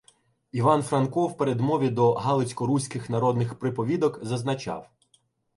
Іван Франко в передмові до "Галицько-руських народних приповідок" зазначав: